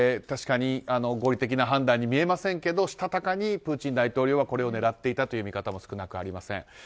確かに合理的な判断に見えませんけどしたたかにプーチン大統領はこれを狙っていたという見方も少なくありません。